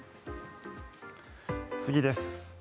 次です。